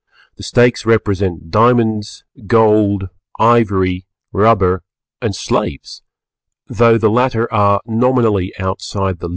The stakes represent diamonds, gold, ivory, rubber and slaves, though the latter are nominally outside the limit.